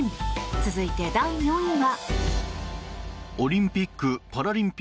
続いて、第４位は。